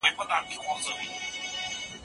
اخلاقي مکتب د ټولني د اصلاح لپاره اړین دی.